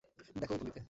দেখো এই পন্ডিতকে।